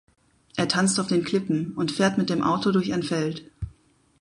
Er tanzt auf den Klippen und fährt mit dem Auto durch ein Feld.